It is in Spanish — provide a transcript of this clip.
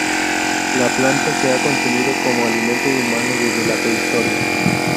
La planta se ha consumido como alimento humano desde la prehistoria.